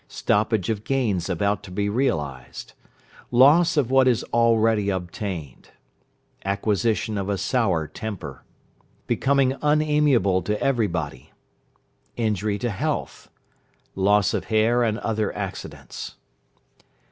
Stoppage of gains about to be realized. Loss of what is already obtained. Acquisition of a sour temper. Becoming unaimiable to every body. Injury to health. Loss of hair and other accidents.